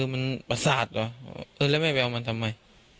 มันประสาทเหรอแล้วแม่ไปเอามันทำไม